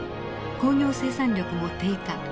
工業生産力も低下。